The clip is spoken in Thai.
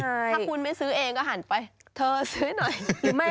ถ้าคุณไม่ซื้อเองก็หันไปเธอซื้อหน่อย